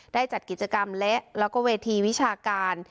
ได้จัดกิจกรรมเละแล้วก็เวทีวิชาการ